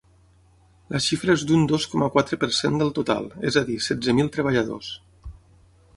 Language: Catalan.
La xifra és d’un dos coma quatre per cent del total, és a dir, setze mil treballadors.